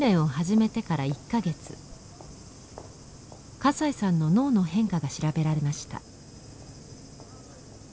笠井さんの脳の変化が調べられました。